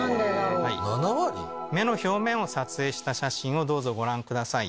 ７割⁉目の表面を撮影した写真をどうぞご覧ください。